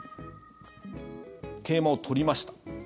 桂馬を取りました。